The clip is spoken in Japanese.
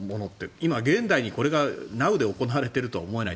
今、現代にこれがナウで行われているとは思えない。